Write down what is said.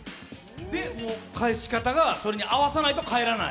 で、返し方は、それに合わさないと返らない？